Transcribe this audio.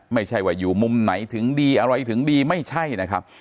ไม่ใช่ว่าอยู่มุมไหนถึงดีอะไรถึงดีไม่ใช่นะครับ